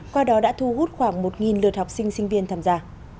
qua đó đã thu hút khoảng một lượt học sinh sinh viên tham gia